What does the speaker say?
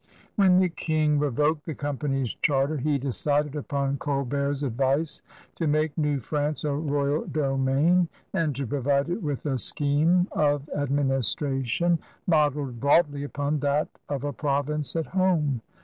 When the King revoked the Company's charter, he decided upon Colbert's advice to make New France a royal domain and to provide it with a scheme of administration modeled broadly upon that of a province at home.